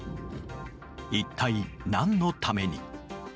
一体、何のために？